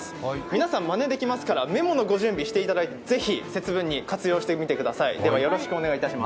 皆さん、まねできますからメモのご準備していただいてぜひ節分に活用してみてください。